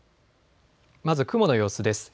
まず雲の様子です。